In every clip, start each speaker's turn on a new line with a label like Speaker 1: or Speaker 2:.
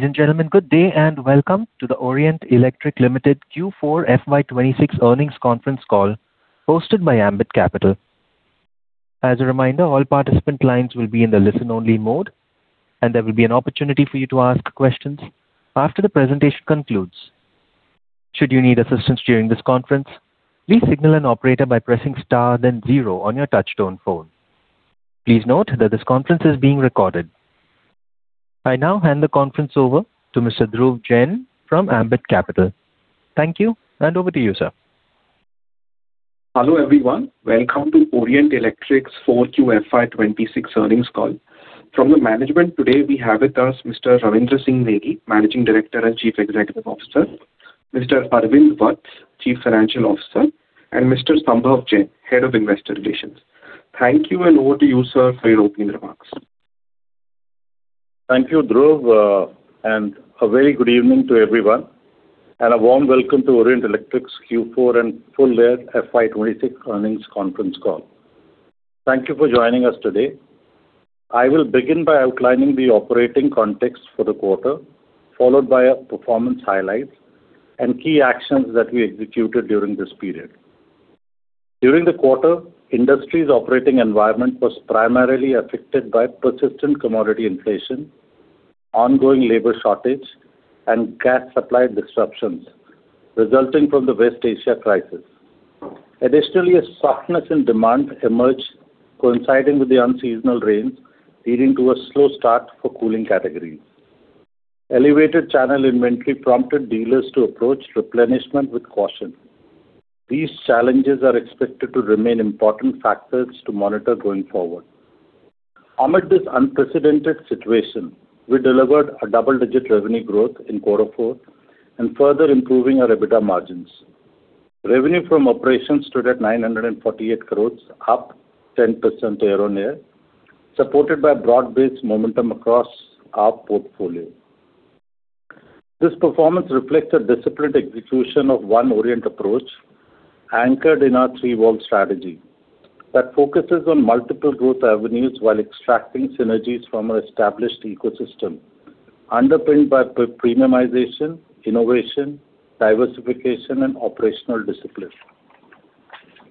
Speaker 1: Ladies and gentlemen, good day, welcome to the Orient Electric Limited Q4 FY 2026 Earnings Conference Call hosted by Ambit Capital. As a reminder, all participant lines will be in the listen-only mode, there will be an opportunity for you to ask questions after the presentation concludes. Should you need assistance during this conference, please signal an operator by pressing star then zero on your touchtone phone. Please note that this conference is being recorded. I now hand the conference over to Mr. Dhruv Jain from Ambit Capital. Thank you, over to you, sir.
Speaker 2: Hello, everyone. Welcome to Orient Electric's Q4 FY 2026 Earnings Call. From the management today, we have with us Mr. Ravindra Singh Negi, Managing Director and Chief Executive Officer, Mr. Arvind Bhat, Chief Financial Officer, and Mr. Sambhav Jain, Head of Investor Relations. Thank you, and over to you, sir, for your opening remarks.
Speaker 3: Thank you, Dhruv, a very good evening to everyone, and a warm welcome to Orient Electric's Q4 and full year FY 2026 Earnings Conference Call. Thank you for joining us today. I will begin by outlining the operating context for the quarter, followed by our performance highlights and key actions that we executed during this period. During the quarter, industry's operating environment was primarily affected by persistent commodity inflation, ongoing labor shortage, and gas supply disruptions resulting from the West Asia crisis. A softness in demand emerged coinciding with the unseasonal rains, leading to a slow start for cooling categories. Elevated channel inventory prompted dealers to approach replenishment with caution. These challenges are expected to remain important factors to monitor going forward. Amid this unprecedented situation, we delivered a double-digit revenue growth in quarter four and further improving our EBITDA margins. Revenue from operations stood at 948 crore, up 10% year-on-year, supported by broad-based momentum across our portfolio. This performance reflects a disciplined execution of One Orient approach, anchored in our Three Walls strategy that focuses on multiple growth avenues while extracting synergies from our established ecosystem, underpinned by premiumization, innovation, diversification, and operational discipline.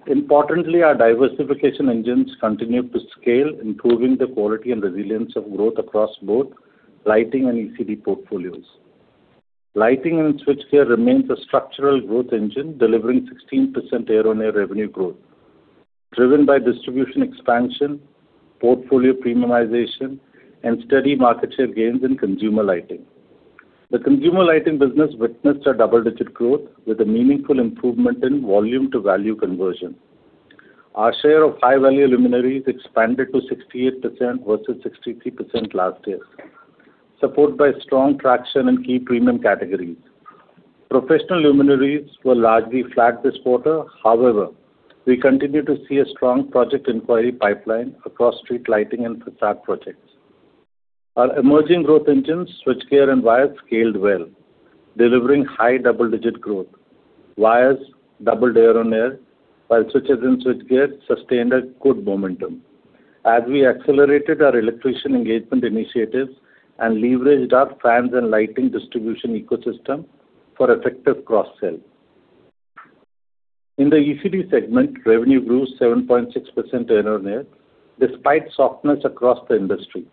Speaker 3: Importantly, our diversification engines continued to scale, improving the quality and resilience of growth across both lighting and ECD portfolios. Lighting and switchgear remains a structural growth engine, delivering 16% year-on-year revenue growth, driven by distribution expansion, portfolio premiumization, and steady market share gains in consumer lighting. The consumer lighting business witnessed a double-digit growth with a meaningful improvement in volume to value conversion. Our share of high-value luminaries expanded to 68% versus 63% last year, supported by strong traction in key premium categories. Professional luminaries were largely flat this quarter. However, we continue to see a strong project inquiry pipeline across street lighting and façade projects. Our emerging growth engines, switchgear and wires, scaled well, delivering high double-digit growth. Wires doubled year-on-year, while switches and switchgear sustained a good momentum as we accelerated our electrician engagement initiatives and leveraged our fans and lighting distribution ecosystem for effective cross-sell. In the ECD segment, revenue grew 7.6% year-on-year despite softness across the industry.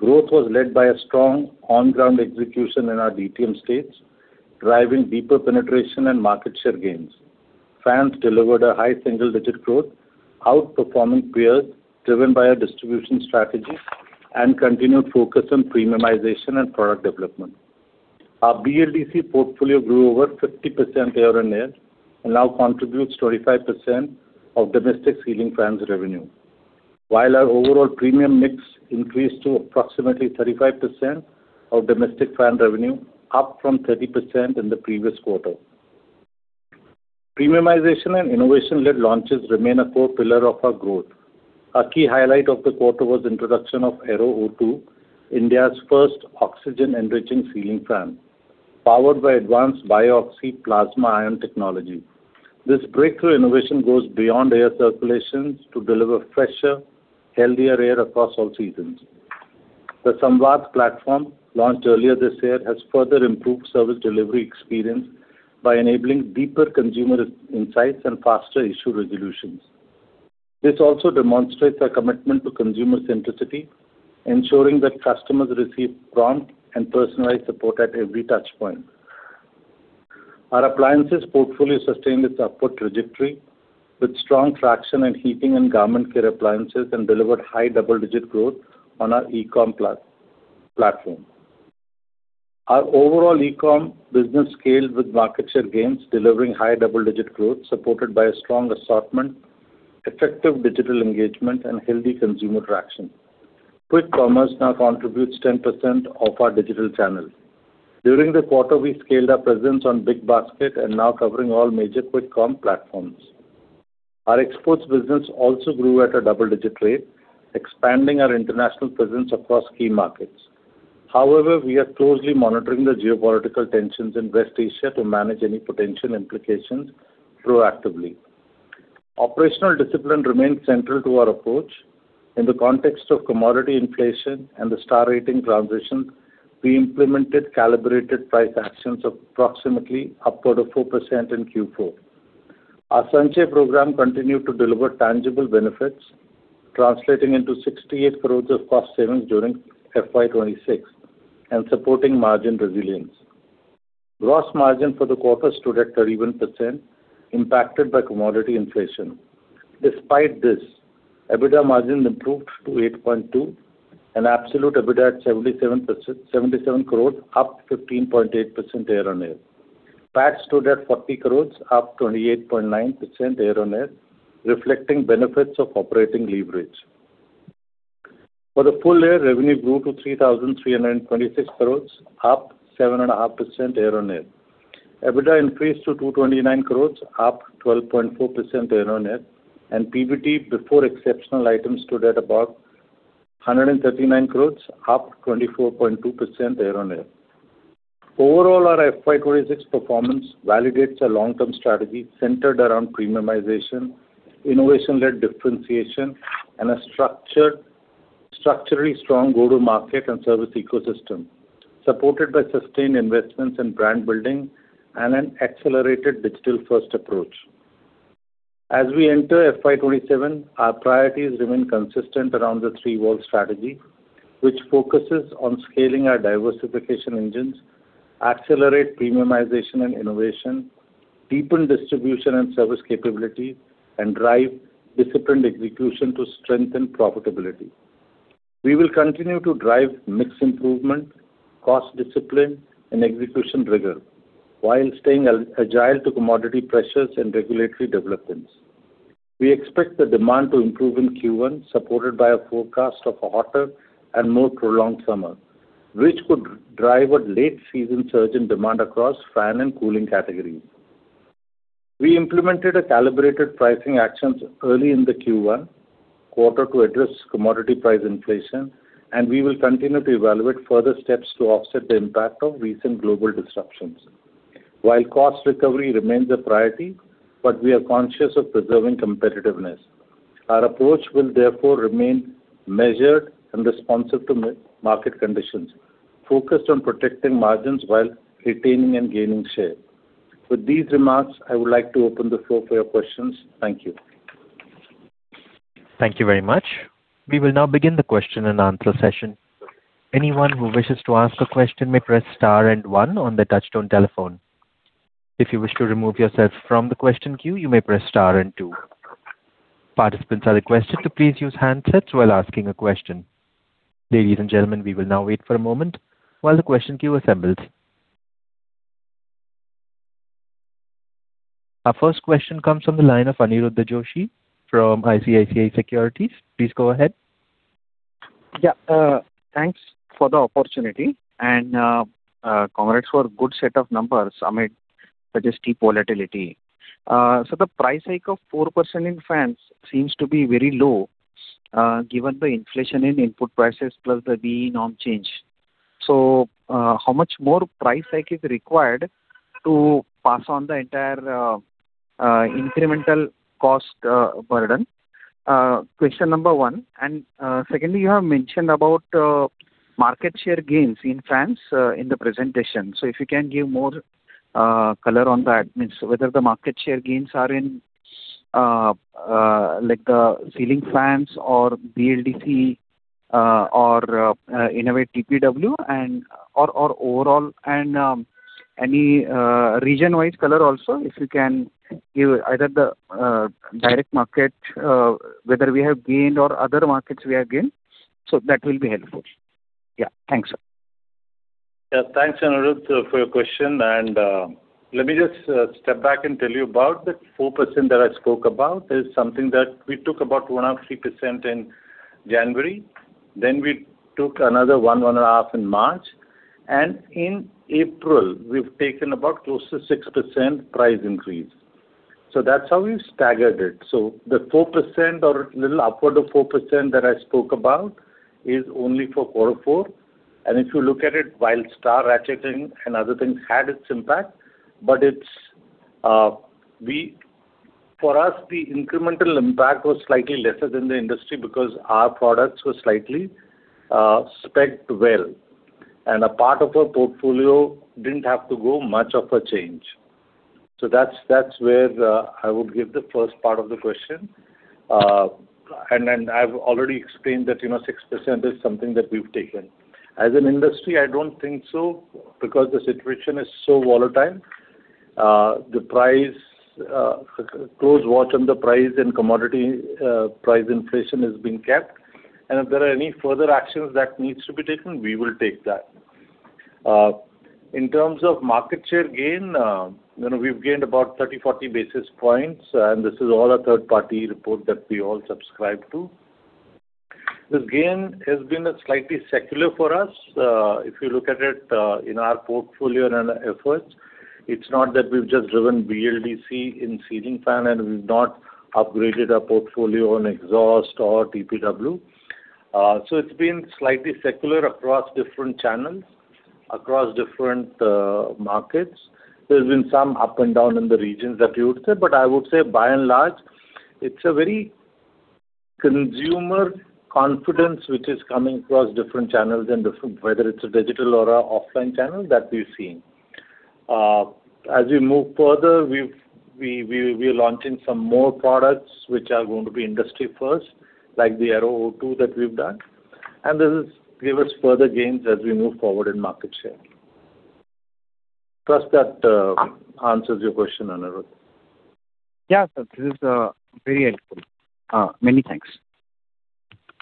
Speaker 3: Growth was led by a strong on-ground execution in our DTM states, driving deeper penetration and market share gains. Fans delivered a high single-digit growth, outperforming peers driven by our distribution strategy and continued focus on premiumization and product development. Our BLDC portfolio grew over 50% year-on-year and now contributes 25% of domestic ceiling fans revenue. While our overall premium mix increased to approximately 35% of domestic fan revenue, up from 30% in the previous quarter. Premiumization and innovation-led launches remain a core pillar of our growth. A key highlight of the quarter was introduction of Aero O2, India's first oxygen-enriching ceiling fan, powered by advanced Bio-Oxy plasma ion technology. This breakthrough innovation goes beyond air circulations to deliver fresher, healthier air across all seasons. The Samvad platform, launched earlier this year, has further improved service delivery experience by enabling deeper consumer insights and faster issue resolutions. This also demonstrates our commitment to consumer centricity, ensuring that customers receive prompt and personalized support at every touchpoint. Our appliances portfolio sustained its upward trajectory with strong traction in heating and garment care appliances and delivered high double-digit growth on our eCom platform. Our overall eCom business scaled with market share gains, delivering high double-digit growth, supported by a strong assortment, effective digital engagement, and healthy consumer traction. Quick Commerce now contributes 10% of our digital channel. During the quarter, we scaled our presence on BigBasket and now covering all major Quick Com platforms. Our exports business also grew at a double-digit rate, expanding our international presence across key markets. However, we are closely monitoring the geopolitical tensions in West Asia to manage any potential implications proactively. Operational discipline remains central to our approach. In the context of commodity inflation and the star rating transition, we implemented calibrated price actions approximately upward of 4% in Q4. Our Sanchay program continued to deliver tangible benefits, translating into 68 crores of cost savings during FY 2026 and supporting margin resilience. Gross margin for the quarter stood at 31% impacted by commodity inflation. Despite this, EBITDA margin improved to 8.2% and absolute EBITDA at 77 crores, up 15.8% year-on-year. PAT stood at 40 crores, up 28.9% year-on-year, reflecting benefits of operating leverage. For the full year, revenue grew to 3,326 crores, up 7.5% year-on-year. EBITDA increased to 229 crores, up 12.4% year-on-year, and PBT before exceptional items stood at about 139 crores, up 24.2% year-on-year. Overall, our FY 2026 performance validates a long-term strategy centered around premiumization, innovation-led differentiation, and a structurally strong go-to-market and service ecosystem, supported by sustained investments in brand building and an accelerated digital-first approach. As we enter FY 2027, our priorities remain consistent around the Three Walls strategy, which focuses on scaling our diversification engines, accelerate premiumization and innovation, deepen distribution and service capability, and drive disciplined execution to strengthen profitability. We will continue to drive mix improvement, cost discipline, and execution rigor while staying agile to commodity pressures and regulatory developments. We expect the demand to improve in Q1, supported by a forecast of a hotter and more prolonged summer, which could drive a late-season surge in demand across fan and cooling categories. We implemented a calibrated pricing actions early in the Q1 quarter to address commodity price inflation. We will continue to evaluate further steps to offset the impact of recent global disruptions. While cost recovery remains a priority, we are conscious of preserving competitiveness. Our approach will remain measured and responsive to market conditions, focused on protecting margins while retaining and gaining share. With these remarks, I would like to open the floor for your questions. Thank you.
Speaker 1: Thank you very much. We will now begin the question and answer session. Anyone who wishes to ask a question may press star and one on their touch-tone telephone. If you wish to remove yourself from the question queue, you may press star and two. Participants are requested to please use handsets while asking a question. Ladies and gentlemen, we will now wait for a moment while the question queue assembles. Our first question comes from the line of Aniruddha Joshi from ICICI Securities. Please go ahead.
Speaker 4: Thanks for the opportunity and congrats for a good set of numbers amid the steep volatility. The price hike of 4% in fans seems to be very low given the inflation in input prices plus the BEE norm change. How much more price hike is required to pass on the entire incremental cost burden? Question number one. Secondly, you have mentioned about market share gains in fans in the presentation. If you can give more color on that. Whether the market share gains are in, like the ceiling fans or BLDC, or Innovair TPW or overall and any region-wide color also, if you can give either the direct market, whether we have gained or other markets we have gained. That will be helpful. Yeah. Thanks.
Speaker 3: Thanks, Aniruddha, for your question. Let me just step back and tell you about the 4% that I spoke about is something that we took about 1% or 3% in January, then we took another 1.5% In March. In April, we've taken about close to 6% price increase. That's how we've staggered it. The 4% or little upward of 4% that I spoke about is only for quarter 4. If you look at it, while star ratcheting and other things had its impact, but for us, the incremental impact was slightly lesser than the industry because our products were slightly specced well, and a part of our portfolio didn't have to go much of a change. That's, that's where I would give the first part of the question. I've already explained that, you know, 6% is something that we've taken. As an industry, I don't think so because the situation is so volatile. The price, close watch on the price and commodity price inflation has been kept. If there are any further actions that needs to be taken, we will take that. In terms of market share gain, you know, we've gained about 30, 40 basis points, and this is all a third-party report that we all subscribe to. This gain has been slightly secular for us. If you look at it, in our portfolio and our efforts, it's not that we've just driven BLDC in ceiling fan and we've not upgraded our portfolio on exhaust or TPW. So it's been slightly secular across different channels. Across different markets. There's been some up and down in the regions that you would say, but I would say by and large, it's a very consumer confidence which is coming across different channels and different whether it's a digital or offline channel that we've seen. As we move further, we're launching some more products which are going to be industry first, like the Aero O2 that we've done, and this is give us further gains as we move forward in market share. Trust that answers your question, Aniruddha.
Speaker 4: Yeah, sir. This is very helpful. Many thanks.
Speaker 3: Thanks,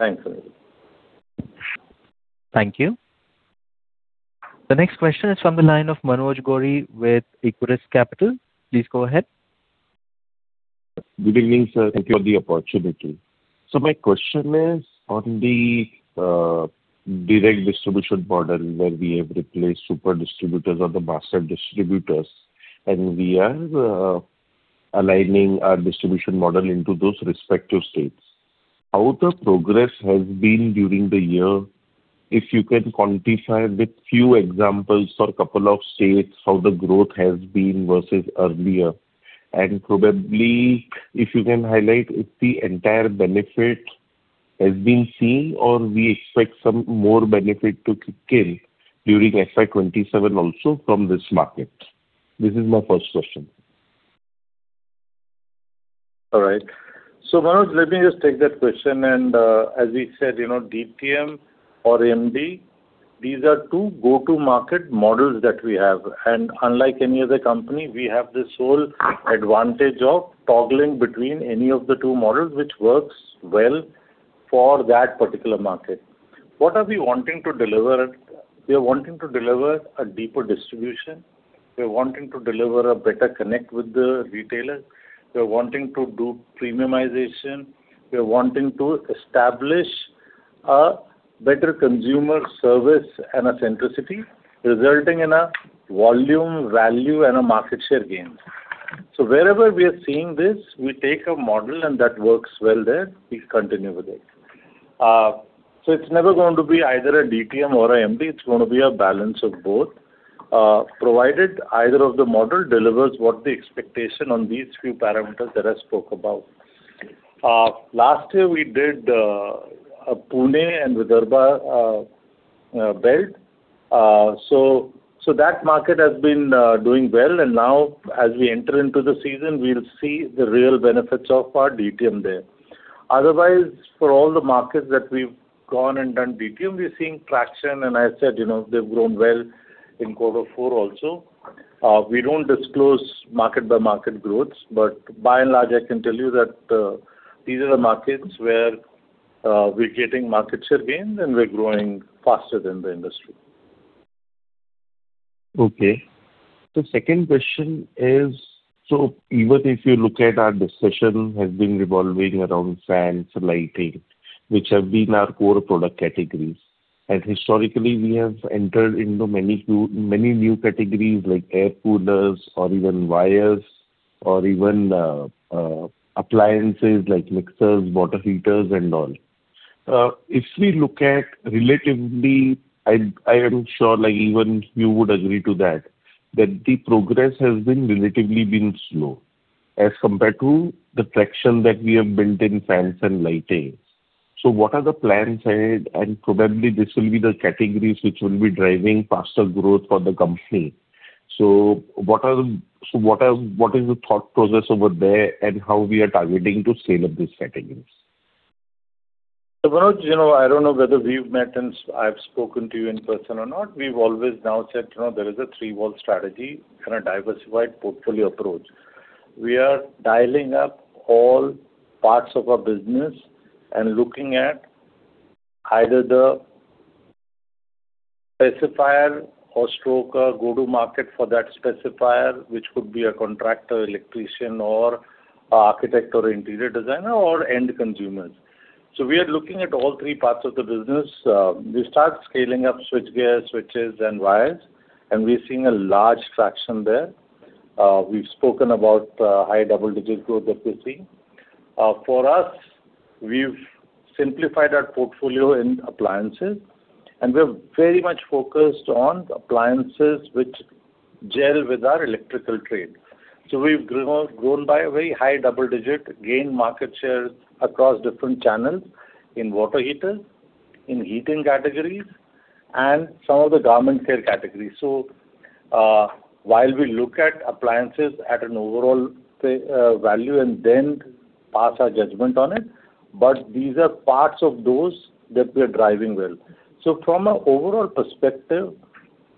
Speaker 3: Aniruddha.
Speaker 1: Thank you. The next question is from the line of Manoj Gori with Equirus Capital. Please go ahead.
Speaker 5: Good evening, sir. Thank you for the opportunity. My question is, on the direct distribution model where we have replaced super distributors or the master distributors and we are aligning our distribution model into those respective states. How the progress has been during the year, if you can quantify with few examples or couple of states, how the growth has been versus earlier. Probably if you can highlight if the entire benefit has been seen or we expect some more benefit to kick in during FY 2027 also from this market. This is my first question.
Speaker 3: All right. Manoj, let me just take that question, as we said, you know, DTM or MD, these are two go-to market models that we have. Unlike any other company, we have the sole advantage of toggling between any of the two models, which works well for that particular market. What are we wanting to deliver? We are wanting to deliver a deeper distribution. We are wanting to deliver a better connect with the retailers. We are wanting to do premiumization. We are wanting to establish a better consumer service and a centricity, resulting in a volume, value, and a market share gains. Wherever we are seeing this, we take a model and that works well there, we continue with it. It's never going to be either a DTM or a MD, it's gonna be a balance of both, provided either of the model delivers what the expectation on these three parameters that I spoke about. Last year we did a Pune and Vidarbha belt. That market has been doing well, and now as we enter into the season, we'll see the real benefits of our DTM there. Otherwise, for all the markets that we've gone and done DTM, we're seeing traction, and I said, you know, they've grown well in Q4 also. We don't disclose market-by-market growths, but by and large, I can tell you that these are the markets where we're getting market share gains and we're growing faster than the industry.
Speaker 5: Okay. The second question is, even if you look at our discussion has been revolving around fans, lighting, which have been our core product categories. Historically we have entered into many new categories like air coolers or even wires or even appliances like mixers, water heaters and all. If we look at relatively, I am sure like even you would agree to that the progress has been relatively been slow as compared to the traction that we have built in fans and lighting. What are the plans ahead? Probably this will be the categories which will be driving faster growth for the company. What is the thought process over there and how we are targeting to scale up these categories?
Speaker 3: Manoj, you know, I don't know whether we've met and I've spoken to you in person or not. We've always now said, you know, there is a Three Walls strategy and a diversified portfolio approach. We are dialing up all parts of our business and looking at either the specifier or stroke a go-to market for that specifier, which could be a contractor, electrician or architect or interior designer or end consumers. We are looking at all three parts of the business. We start scaling up switchgear, switches and wires, and we're seeing a large traction there. We've spoken about high double-digit growth that we're seeing. For us, we've simplified our portfolio in appliances, and we're very much focused on appliances which gel with our electrical trade. We've grown by a very high double-digit, gained market share across different channels in water heaters, in heating categories and some of the garment care categories. While we look at appliances at an overall value and then pass our judgment on it, but these are parts of those that we are driving well. From a overall perspective,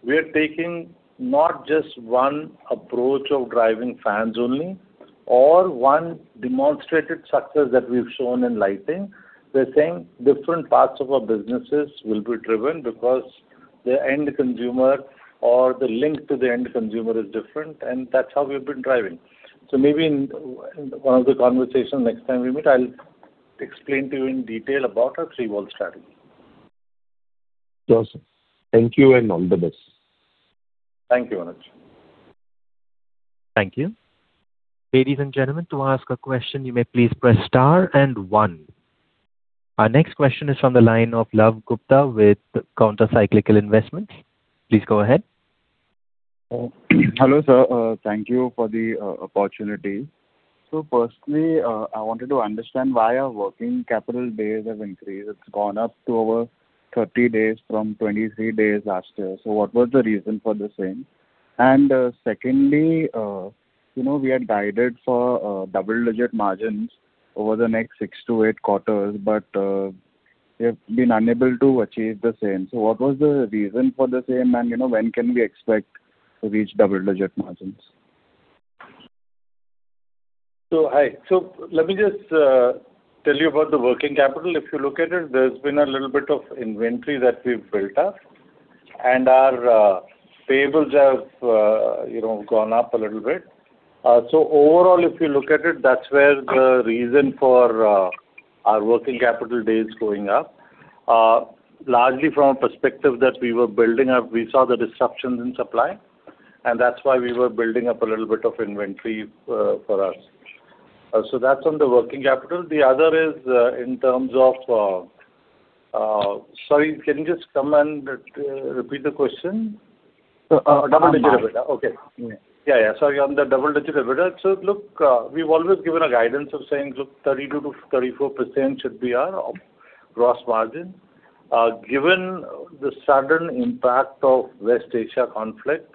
Speaker 3: we are taking not just one approach of driving fans only or one demonstrated success that we've shown in lighting. We are saying different parts of our businesses will be driven because the end consumer or the link to the end consumer is different, and that's how we've been driving. Maybe in one of the conversation next time we meet, I'll explain to you in detail about our Three Walls strategy.
Speaker 5: Awesome. Thank you and all the best.
Speaker 3: Thank you, Manoj.
Speaker 1: Thank you. Ladies and gentlemen to ask a question you may press star then one. Thank you. Our next question is from the line of Love Gupta with Counter Cyclical Investments. Please go ahead.
Speaker 6: Hello, sir. Thank you for the opportunity. Firstly, I wanted to understand why our working capital days have increased. It's gone up to over 30 days from 23 days last year. What was the reason for the same? Secondly, you know, we are guided for double-digit margins over the next six to eight quarters, we have been unable to achieve the same. What was the reason for the same, and, you know, when can we expect to reach double-digit margins?
Speaker 3: Hi. Let me just tell you about the working capital. If you look at it, there's been a little bit of inventory that we've built up, and our payables have, you know, gone up a little bit. Overall, if you look at it, that's where the reason for our working capital days going up. Largely from a perspective that we were building up. We saw the disruptions in supply, and that's why we were building up a little bit of inventory for us. That's on the working capital. The other is in terms of Sorry, can you just come and repeat the question?
Speaker 6: Double-digit EBITDA. Okay.
Speaker 3: Yeah. Yeah, yeah. On the double-digit EBITDA. Look, we've always given a guidance of saying, look, 32%-34% should be our gross margin. Given the sudden impact of West Asia conflict,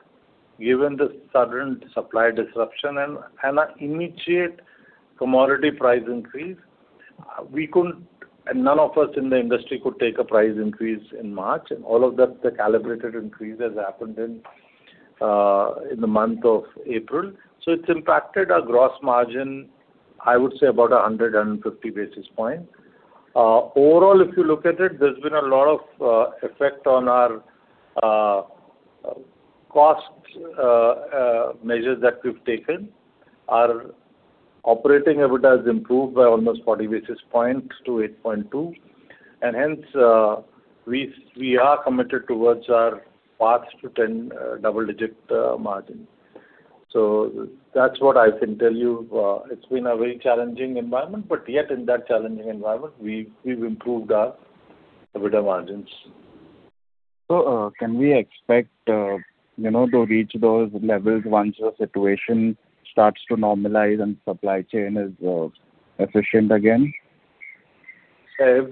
Speaker 3: given the sudden supply disruption and an immediate commodity price increase, we couldn't, and none of us in the industry could take a price increase in March, and all of that, the calibrated increase has happened in the month of April. It's impacted our gross margin, I would say, about 150 basis points. Overall, if you look at it, there's been a lot of effect on our cost measures that we've taken. Our operating EBITDA has improved by almost 40 basis points to 8.2, hence, we are committed towards our path to 10 double-digit margin. That's what I can tell you. It's been a very challenging environment, yet in that challenging environment, we've improved our EBITDA margins.
Speaker 6: Can we expect, you know, to reach those levels once the situation starts to normalize and supply chain is, efficient again?
Speaker 3: Yeah. If,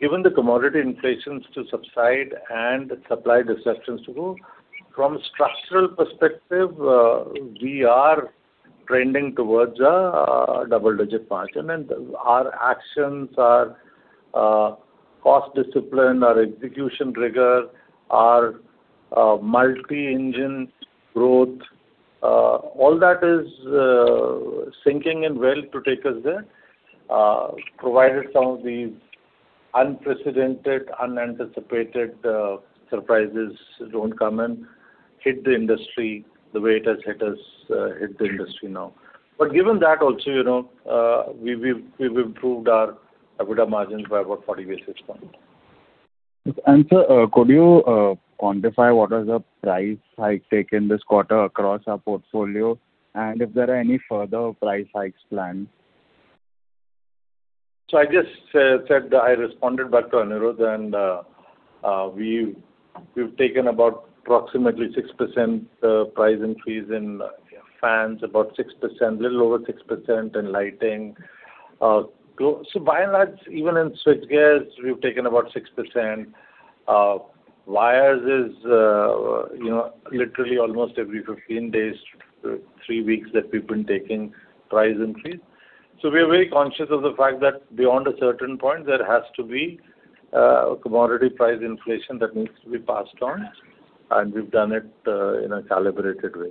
Speaker 3: given the commodity inflation to subside and supply disruptions to go, from structural perspective, we are trending towards a double-digit margin. Our actions, our cost discipline, our execution rigor, our multi-engine growth, all that is sinking in well to take us there, provided some of these unprecedented, unanticipated surprises don't come and hit the industry the way it has hit us, hit the industry now. Given that also, you know, we've improved our EBITDA margins by about 40 basis points.
Speaker 6: Sir, could you quantify what is the price hike taken this quarter across our portfolio, and if there are any further price hikes planned?
Speaker 3: I just said, I responded back to Aniruddha and we've taken about approximately 6% price increase in fans, about 6%, a little over 6% in lighting. By and large, even in switch gears, we've taken about 6%. Wires is, you know, literally almost every 15 days to three weeks that we've been taking price increase. We are very conscious of the fact that beyond a certain point there has to be commodity price inflation that needs to be passed on, and we've done it in a calibrated way.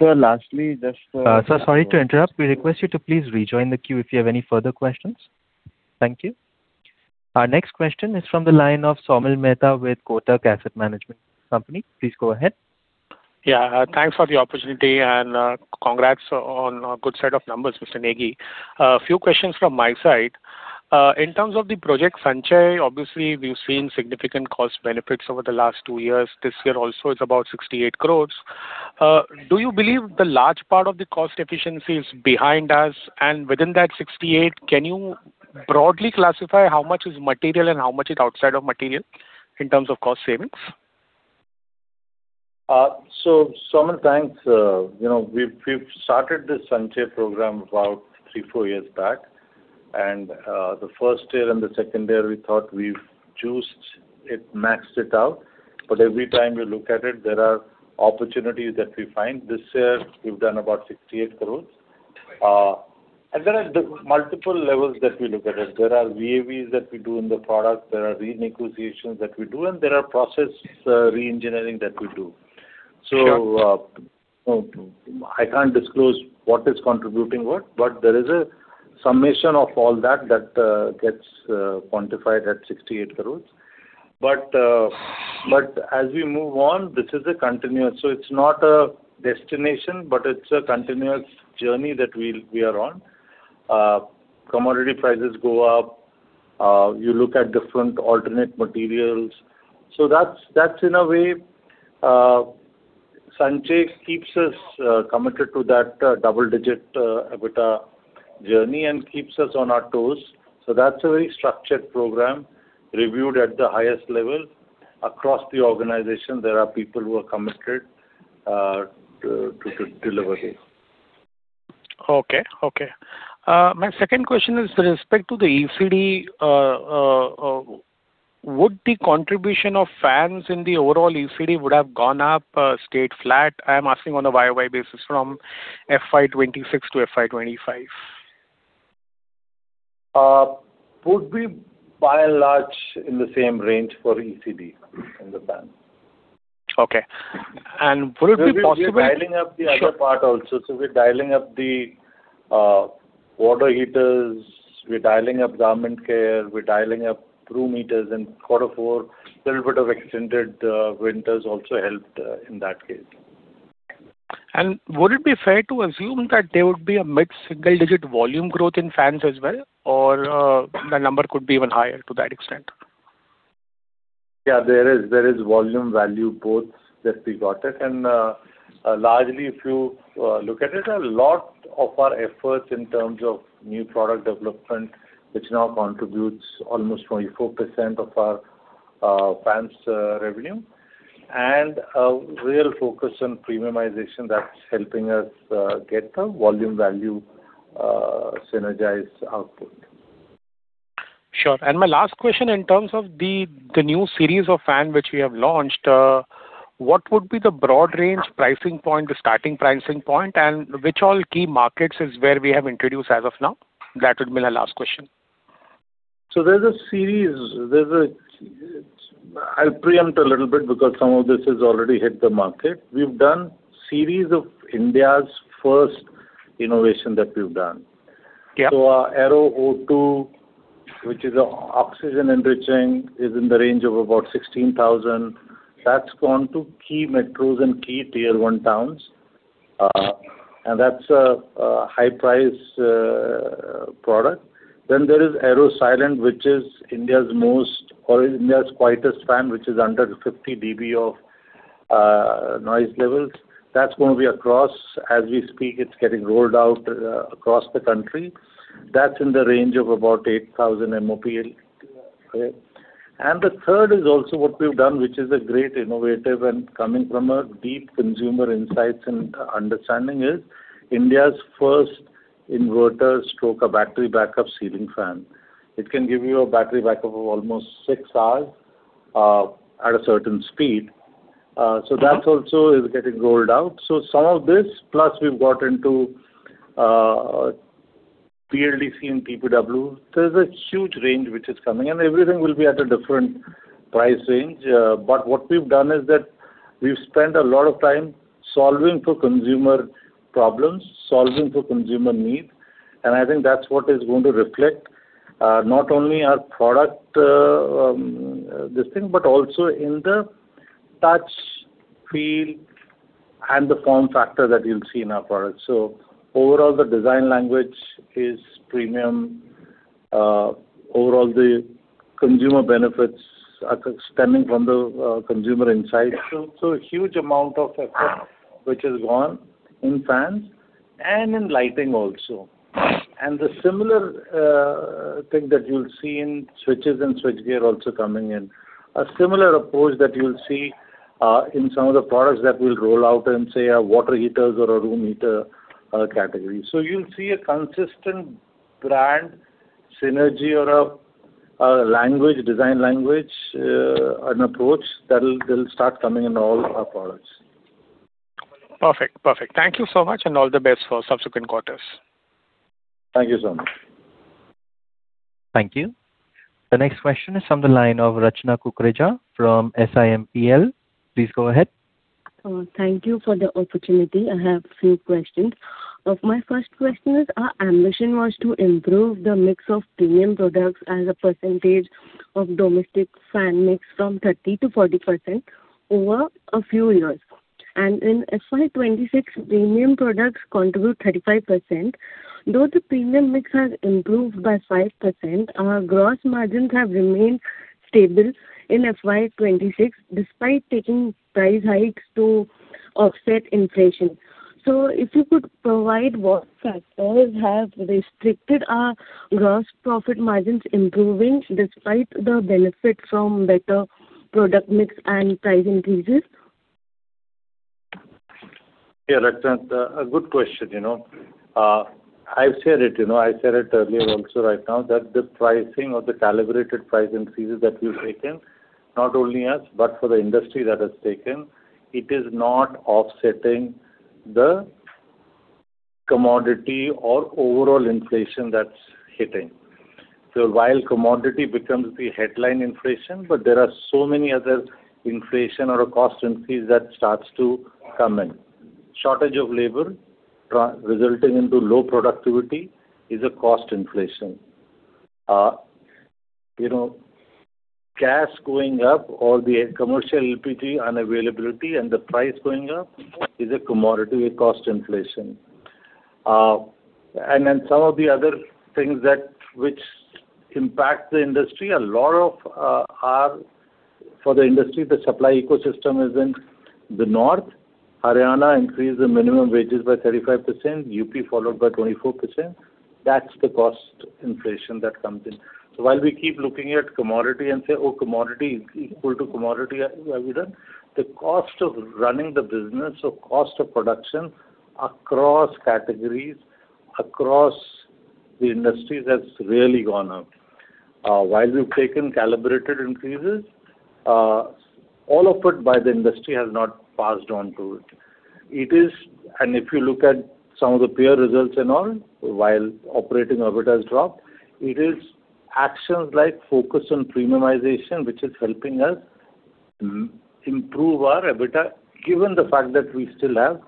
Speaker 6: Sir, lastly, just.
Speaker 1: Sir, sorry to interrupt. We request you to please rejoin the queue if you have any further questions. Thank you. Our next question is from the line of Saumil Mehta with Kotak Asset Management Company. Please go ahead.
Speaker 7: Thanks for the opportunity, congrats on a good set of numbers, Mr. Negi. A few questions from my side. In terms of the Project Sanchay, obviously we've seen significant cost benefits over the last two years. This year also it's about 68 crores. Do you believe the large part of the cost efficiency is behind us? Within that 68 crores, can you broadly classify how much is material and how much is outside of material in terms of cost savings?
Speaker 3: Saumil, thanks. You know, we've started this Sanchay program about three, four years back. The first year and the second year we thought we've juiced it, maxed it out. Every time we look at it, there are opportunities that we find. This year we've done about 68 crores. There are multiple levels that we look at it. There are VAVE that we do in the product, there are renegotiations that we do, and there are process re-engineering that we do.
Speaker 7: Sure.
Speaker 3: I can't disclose what is contributing what, but there is a summation of all that gets quantified at 68 crores. As we move on, this is a continuous. It's not a destination, but it's a continuous journey that we are on. Commodity prices go up. You look at different alternate materials. That's, that's in a way, Sanchay keeps us committed to that double-digit EBITDA journey and keeps us on our toes. That's a very structured program reviewed at the highest level. Across the organization, there are people who are committed to deliver it.
Speaker 7: Okay. Okay. My second question is with respect to the ECD, would the contribution of fans in the overall ECD would have gone up, stayed flat? I'm asking on a year-over-year basis from FY 2026 to FY 2025.
Speaker 3: Would be by and large in the same range for ECD in the band.
Speaker 7: Okay.
Speaker 3: We're dialing up the other part also.
Speaker 7: Sure.
Speaker 3: We're dialing up the water heaters. We're dialing up garment care. We're dialing up room heaters. In quarter four, little bit of extended winters also helped in that case.
Speaker 7: Would it be fair to assume that there would be a mid-single digit volume growth in fans as well? The number could be even higher to that extent?
Speaker 3: Yeah, there is volume value both that we got it. Largely, if you look at it, a lot of our efforts in terms of new product development, which now contributes almost 24% of our fans' revenue, a real focus on premiumization that's helping us get the volume value synergized output.
Speaker 7: Sure. My last question in terms of the new series of fan which we have launched, what would be the broad range pricing point, the starting pricing point, and which all key markets is where we have introduced as of now? That would be my last question.
Speaker 3: There's a series. There's a I'll preempt a little bit because some of this has already hit the market. We've done series of India's first innovation that we've done.
Speaker 7: Yeah.
Speaker 3: Our Aero O2, which is oxygen enriching, is in the range of about 16,000 crores. That's gone to key metros and key tier one towns. That's a high price product. There is Aero Silent, which is India's most or India's quietest fan, which is under 50 DB of noise levels. That's going to be across. As we speak, it's getting rolled out across the country. That's in the range of about 8,000 MOP. The third is also what we've done, which is a great innovative and coming from a deep consumer insights and understanding, is India's first inverter stroke a battery backup ceiling fan. It can give you a battery backup of almost six hours at a certain speed. That also is getting rolled out. Some of this, plus we've got into BLDC and PPW. There's a huge range which is coming, and everything will be at a different price range. What we've done is that we've spent a lot of time solving for consumer problems, solving for consumer need, and I think that's what is going to reflect not only our product this thing, but also in the touch, feel, and the form factor that you'll see in our products. Overall, the design language is premium. Overall, the consumer benefits are stemming from the consumer insights. A huge amount of effort which has gone in fans and in lighting also. The similar thing that you'll see in switches and switchgear also coming in. A similar approach that you'll see in some of the products that we'll roll out in, say, our water heaters or our room heater category. You'll see a consistent brand synergy or a language, design language, an approach that'll start coming in all our products.
Speaker 7: Perfect. Thank you so much, and all the best for subsequent quarters.
Speaker 3: Thank you, Saumil.
Speaker 1: Thank you. The next question is from the line of Rachna Kukreja from SIMPL. Please go ahead.
Speaker 8: Thank you for the opportunity. I have a few questions. My first question is, our ambition was to improve the mix of premium products as a percentage of domestic fan mix from 30%-40% over a few years. In FY 2026, premium products contribute 35%. Though the premium mix has improved by 5%, our gross margins have remained stable in FY 2026, despite taking price hikes to offset inflation. If you could provide what factors have restricted our gross profit margins improving despite the benefit from better product mix and price increases?
Speaker 3: Yeah, Rachna, it's a good question, you know. I've said it, you know, I said it earlier also right now, that the pricing or the calibrated price increases that we've taken, not only us, but for the industry that has taken, it is not offsetting the commodity or overall inflation that's hitting. While commodity becomes the headline inflation, there are so many other inflation or cost increase that starts to come in. Shortage of labor resulting into low productivity is a cost inflation. You know, gas going up or the commercial LPG unavailability and the price going up is a commodity with cost inflation. Some of the other things that which impact the industry, a lot of, are for the industry, the supply ecosystem is in the north. Haryana increased the minimum wages by 35%, UP followed by 24%. That's the cost inflation that comes in. While we keep looking at commodity and say, "Oh, commodity equal to commodity, have we done?" The cost of running the business or cost of production across categories, across the industries, has really gone up. While we've taken calibrated increases, all of it by the industry has not passed on to it. If you look at some of the peer results and all, while operating EBITDA has dropped, it is actions like focus on premiumization which is helping us improve our EBITDA, given the fact that we still have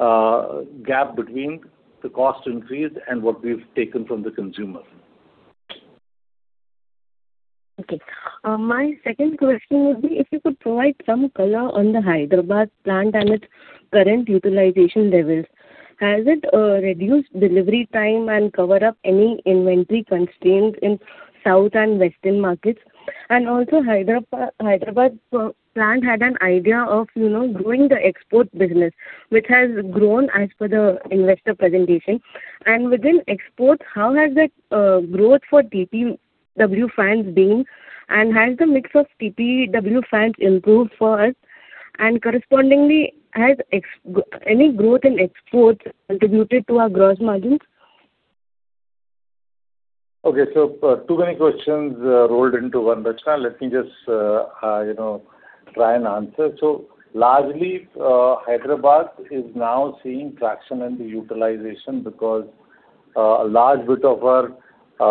Speaker 3: a gap between the cost increase and what we've taken from the consumer.
Speaker 8: Okay. My second question would be if you could provide some color on the Hyderabad plant and its current utilization levels. Has it reduced delivery time and cover up any inventory constraints in South and Western markets? Also Hyderabad plant had an idea of, you know, growing the export business, which has grown as per the investor presentation. Within exports, how has the growth for PPW fans been, and has the mix of PPW fans improved for us? Correspondingly, has any growth in exports contributed to our gross margins?
Speaker 3: Okay. Too many questions rolled into one, Rachna. Let me just, you know, try and answer. Largely, Hyderabad is now seeing traction in the utilization because a large bit of our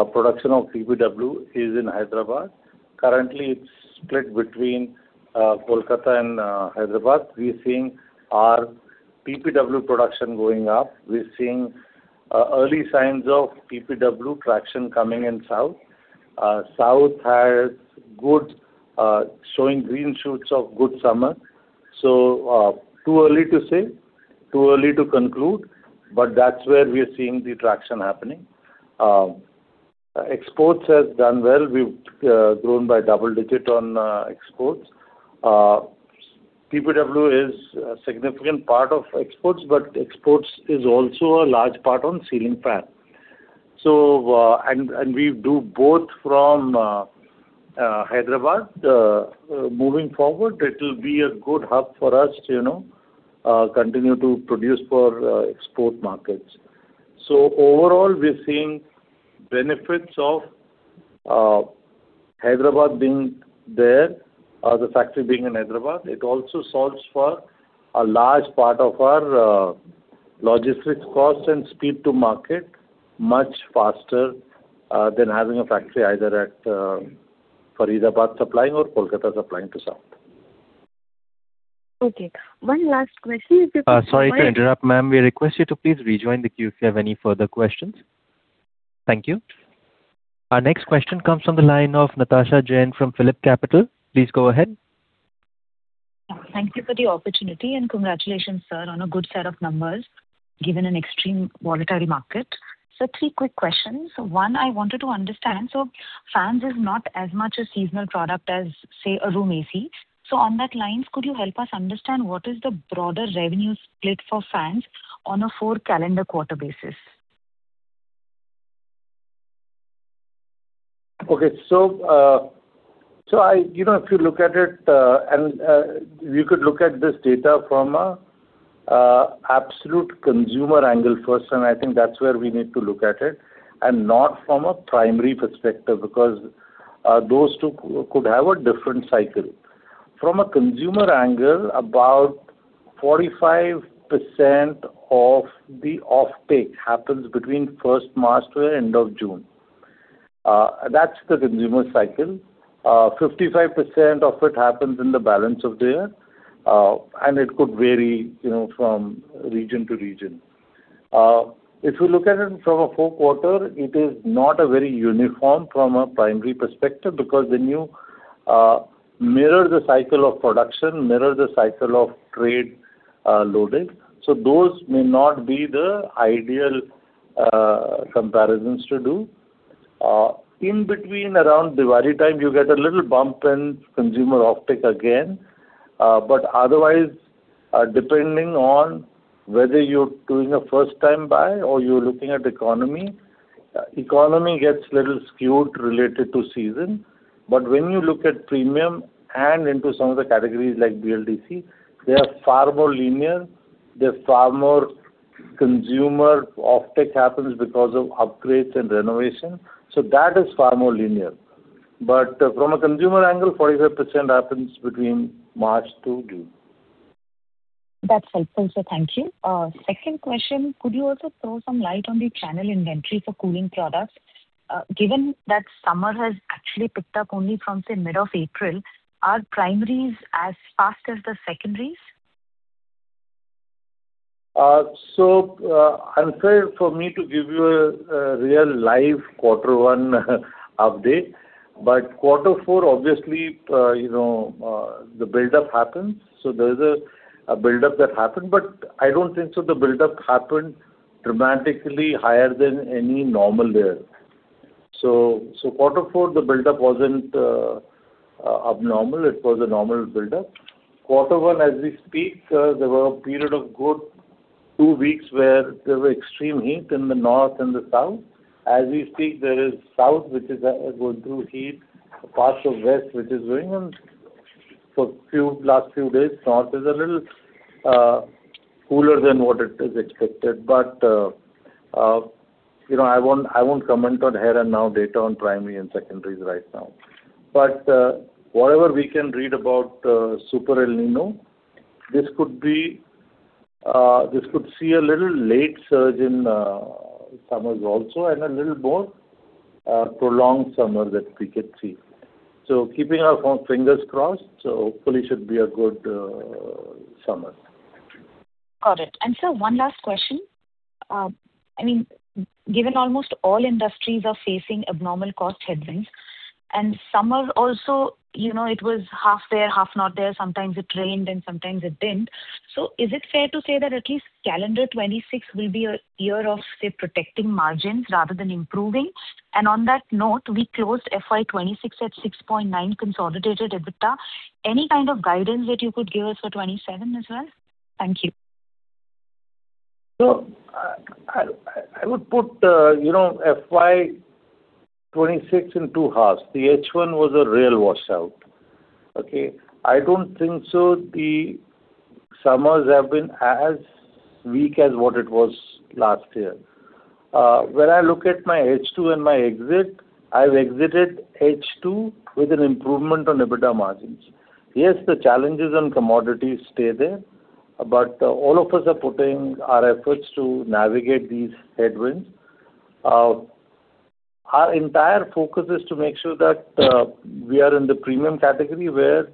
Speaker 3: production of PPW is in Hyderabad. Currently, it's split between Kolkata and Hyderabad. We're seeing our PPW production going up. We're seeing early signs of PPW traction coming in South. South has good showing green shoots of good summer. Too early to say, too early to conclude, but that's where we are seeing the traction happening. Exports has done well. We've grown by double digit on exports. PPW is a significant part of exports, but exports is also a large part on ceiling fan. And we do both from Hyderabad. Moving forward, it'll be a good hub for us to, you know, continue to produce for export markets. Overall, we're seeing benefits of Hyderabad being there, the factory being in Hyderabad. It also solves for a large part of our logistics cost and speed to market much faster than having a factory either at Faridabad supplying or Kolkata supplying to South.
Speaker 8: Okay. One last question.
Speaker 1: Sorry to interrupt, ma'am. We request you to please rejoin the queue if you have any further questions. Thank you. Our next question comes from the line of Natasha Jain from PhillipCapital. Please go ahead.
Speaker 9: Thank you for the opportunity, and congratulations, sir, on a good set of numbers, given an extreme voluntary market. Three quick questions. one, I wanted to understand. Fans is not as much a seasonal product as, say, a room AC. On that line, could you help us understand what is the broader revenue split for fans on a four calendar quarter basis?
Speaker 3: Okay. You know, if you look at it, we could look at this data from an absolute consumer angle first, I think that's where we need to look at it, and not from a primary perspective, because those two could have a different cycle. From a consumer angle, about 45% of the off-take happens between 1st March to the end of June. That's the consumer cycle. 55% of it happens in the balance of the year, it could vary, you know, from region to region. If you look at it from a full quarter, it is not a very uniform from a primary perspective because when you mirror the cycle of production, mirror the cycle of trade, loaded. Those may not be the ideal comparisons to do. In between around Diwali time, you get a little bump in consumer off-take again. Otherwise, depending on whether you're doing a first time buy or you're looking at economy gets a little skewed related to season. When you look at premium and into some of the categories like BLDC, they are far more linear. They're far more consumer off-take happens because of upgrades and renovation. That is far more linear. From a consumer angle, 45% happens between March to June.
Speaker 9: That's helpful, sir. Thank you. second question: Could you also throw some light on the channel inventory for cooling products? given that summer has actually picked up only from, say, mid of April, are primaries as fast as the secondaries?
Speaker 3: Unfair for me to give you a real live quarter one update. Quarter four, obviously, the buildup happens. There's a buildup that happened, but I don't think so the buildup happened dramatically higher than any normal year. Quarter four, the buildup wasn't abnormal. It was a normal buildup. Quarter one, as we speak, there were a period of good two weeks where there were extreme heat in the north and the south. As we speak, there is south, which is going through heat, parts of west which is going on for last few days. North is a little cooler than what it is expected. I won't comment on here and now data on primary and secondaries right now. Whatever we can read about Super El Niño, this could be this could see a little late surge in summers also and a little more prolonged summer that we could see. Keeping our fingers crossed, so hopefully should be a good summer.
Speaker 9: Got it. Sir, one last question. I mean, given almost all industries are facing abnormal cost headwinds, and summer also, you know, it was half there, half not there, sometimes it rained and sometimes it didn't. Is it fair to say that at least calendar 2026 will be a year of, say, protecting margins rather than improving? On that note, we closed FY 2026 at 6.9 consolidated EBITDA. Any kind of guidance that you could give us for 2027 as well? Thank you.
Speaker 3: I would put, you know, FY 2026 in two halves. The H1 was a real washout. Okay. I don't think so the summers have been as weak as what it was last year. When I look at my H2 and my exit, I've exited H2 with an improvement on EBITDA margins. Yes, the challenges on commodities stay there, but all of us are putting our efforts to navigate these headwinds. Our entire focus is to make sure that we are in the premium category where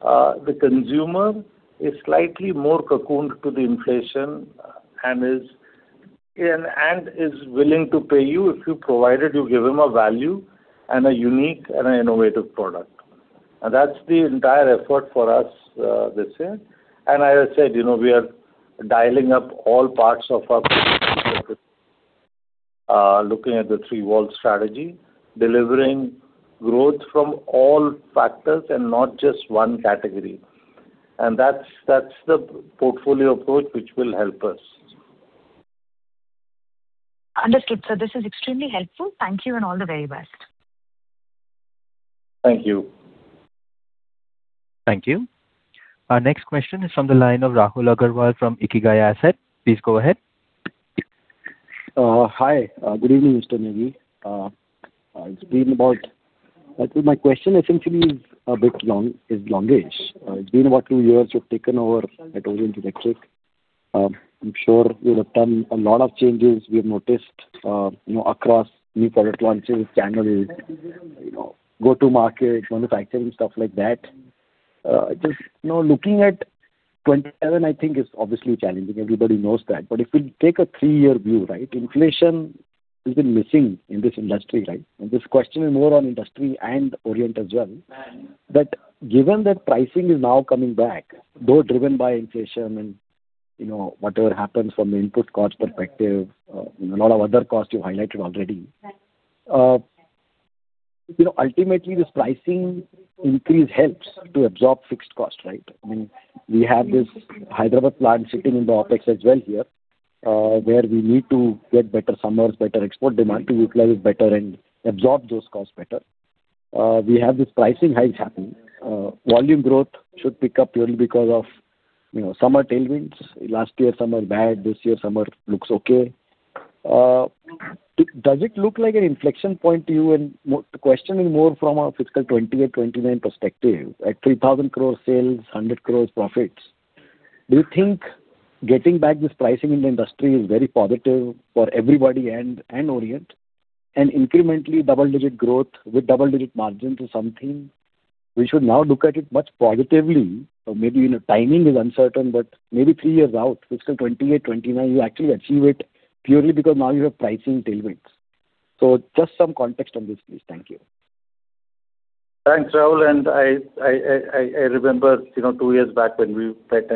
Speaker 3: the consumer is slightly more cocooned to the inflation and is willing to pay you if you provided you give him a value and a unique and an innovative product. That's the entire effort for us this year. As I said, you know, we are dialing up all parts of our looking at the Three Walls strategy, delivering growth from all factors and not just one category. That's the portfolio approach which will help us.
Speaker 9: Understood, sir. This is extremely helpful. Thank you and all the very best.
Speaker 3: Thank you.
Speaker 1: Thank you. Our next question is from the line of Rahul Agarwal from Ikigai Asset. Please go ahead.
Speaker 10: Hi. Good evening, Mr. Negi. My question essentially is a bit long, is longish. It's been about two years you've taken over at Orient Electric. I'm sure you would have done a lot of changes. We have noticed, you know, across new product launches, channels, you know, go-to-market, manufacturing, stuff like that. Just, you know, looking at FY 2027, I think is obviously challenging. Everybody knows that. If we take a three-year view, right, inflation has been missing in this industry, right? This question is more on industry and Orient as well. Given that pricing is now coming back, though driven by inflation and whatever happens from the input cost perspective, and a lot of other costs you've highlighted already, ultimately this pricing increase helps to absorb fixed costs, right? We have this Hyderabad plant sitting in the OpEx as well here, where we need to get better summers, better export demand to utilize better and absorb those costs better. We have these pricing hikes happening. Volume growth should pick up purely because of summer tailwinds. Last year summer bad, this year summer looks okay. Does it look like an inflection point to you? The question is more from a fiscal 2028, 2029 perspective. At 3,000 crore sales, 100 crore profits, do you think getting back this pricing in the industry is very positive for everybody and Orient? Incrementally double-digit growth with double-digit margins is something we should now look at it much positively. Maybe, you know, timing is uncertain, but maybe three years out, FY 2028, FY 2029, you actually achieve it purely because now you have pricing tailwinds. Just some context on this, please. Thank you.
Speaker 3: Thanks, Rahul. I remember, you know, two years back when we met,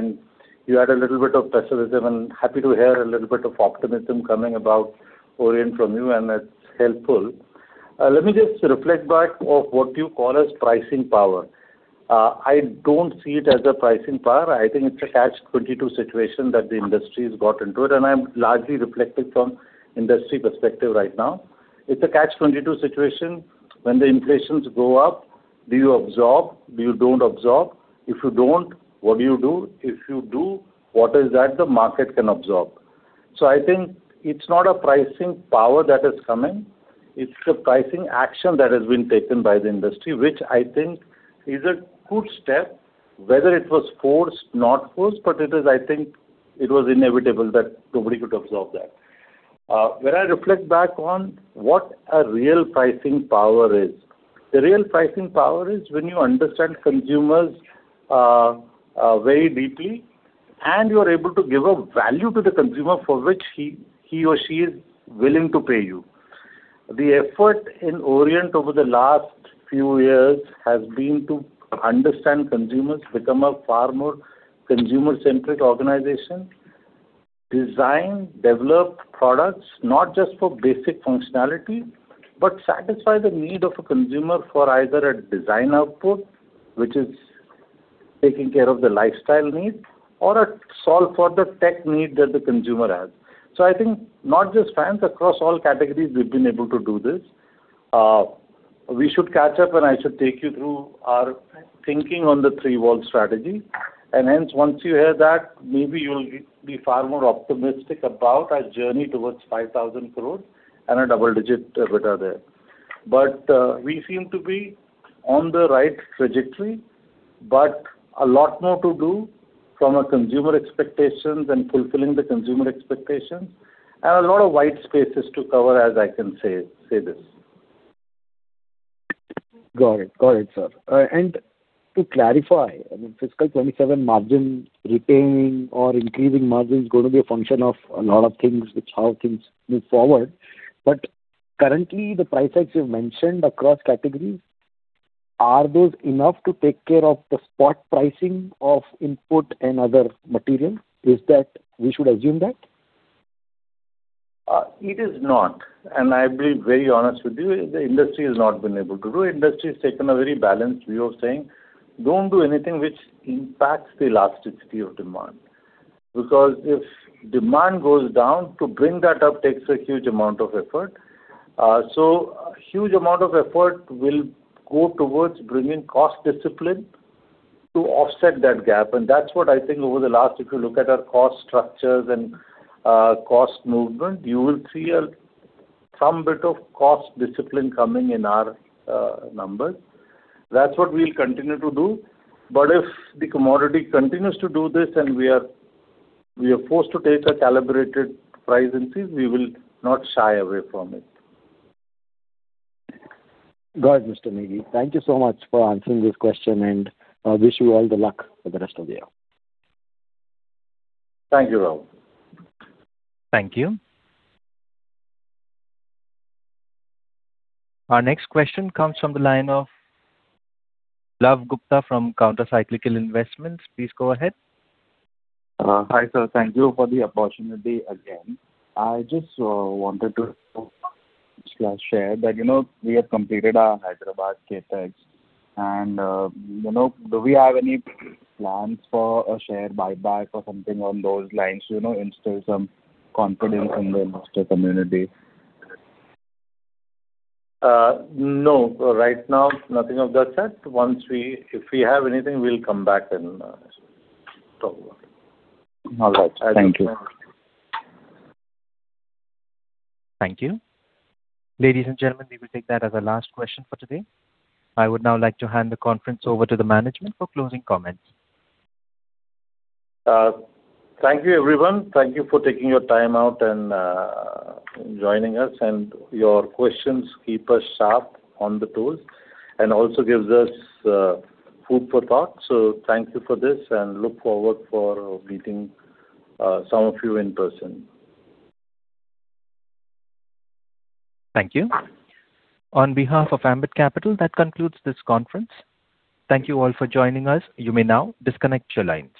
Speaker 3: you had a little bit of pessimism, happy to hear a little bit of optimism coming about Orient from you, that's helpful. Let me just reflect back of what you call as pricing power. I don't see it as a pricing power. I think it's a catch-22 situation that the industry has got into it, I'm largely reflected from industry perspective right now. It's a catch-22 situation. When the inflations go up, do you absorb? Do you don't absorb? If you don't, what do you do? If you do, what is that the market can absorb? I think it's not a pricing power that is coming, it's the pricing action that has been taken by the industry, which I think is a good step, whether it was forced, not forced, but it is, I think it was inevitable that nobody could absorb that. When I reflect back on what a real pricing power is, the real pricing power is when you understand consumers very deeply, and you are able to give a value to the consumer for which he or she is willing to pay you. The effort in Orient over the last few years has been to understand consumers, become a far more consumer-centric organization, design, develop products not just for basic functionality, but satisfy the need of a consumer for either a design output, which is taking care of the lifestyle need or solve for the tech need that the consumer has. I think not just fans, across all categories we've been able to do this. We should catch up and I should take you through our thinking on the Three Walls strategy. Hence once you hear that, maybe you'll be far more optimistic about our journey towards 5,000 crore and a double-digit return there. We seem to be on the right trajectory, but a lot more to do from a consumer expectations and fulfilling the consumer expectations and a lot of white spaces to cover as I can say this.
Speaker 10: Got it. Got it, sir. To clarify, I mean, fiscal 2027 margin retaining or increasing margin is gonna be a function of a lot of things which how things move forward. Currently the price hikes you've mentioned across categories, are those enough to take care of the spot pricing of input and other materials? Is that we should assume that?
Speaker 3: It is not, and I'll be very honest with you, the industry has not been able to do. Industry has taken a very balanced view of saying, "Don't do anything which impacts the elasticity of demand." Because if demand goes down, to bring that up takes a huge amount of effort. A huge amount of effort will go towards bringing cost discipline to offset that gap. That's what I think over the last, if you look at our cost structures and cost movement, you will see a some bit of cost discipline coming in our numbers. That's what we'll continue to do. If the commodity continues to do this and we are forced to take a calibrated price increase, we will not shy away from it.
Speaker 10: Got it, Mr. Negi. Thank you so much for answering this question, and wish you all the luck for the rest of the year.
Speaker 3: Thank you, Rahul.
Speaker 1: Thank you. Our next question comes from the line of Love Gupta from Counter Cyclical Investments. Please go ahead.
Speaker 6: Hi, sir. Thank you for the opportunity again. I just wanted to share that, you know, we have completed our Hyderabad CapEx and, you know, do we have any plans for a share buyback or something on those lines, you know, instill some confidence in the investor community?
Speaker 3: No. Right now, nothing of that sort. If we have anything, we'll come back and talk about it.
Speaker 6: All right. Thank you.
Speaker 1: Thank you. Ladies and gentlemen, we will take that as our last question for today. I would now like to hand the conference over to the management for closing comments.
Speaker 3: Thank you, everyone. Thank you for taking your time out and joining us. Your questions keep us sharp on the tools and also gives us food for thought. Thank you for this and look forward for meeting some of you in person.
Speaker 1: Thank you. On behalf of Ambit Capital, that concludes this conference. Thank you all for joining us. You may now disconnect your line.